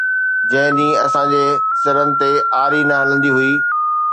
جنهن ڏينهن اسان جي سرن تي آري نه هلندي هئي